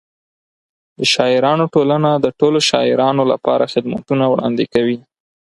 د شاعرانو ټولنه د ټولو شاعرانو لپاره خدمتونه وړاندې کوي.